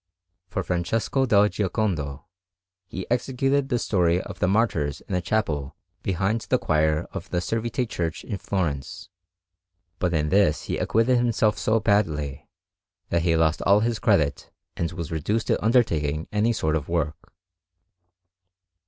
For Francesco del Giocondo he executed the story of the Martyrs in a chapel behind the choir of the Servite Church in Florence; but in this he acquitted himself so badly, that he lost all his credit and was reduced to undertaking any sort of work.